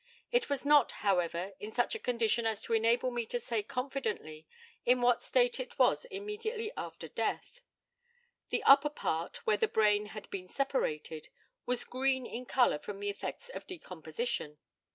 It was not, however; in such a condition as to enable me to say confidently in what state it was immediately after death. The upper part, where the brain had been separated, was green in colour from the effects of decomposition.